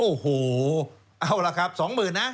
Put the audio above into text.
โอ้โหเอาละครับสองหมื่นนะ